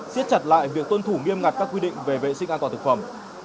xiết chặt lại việc tuân thủ nghiêm ngặt các quy định về vệ sinh an toàn thực phẩm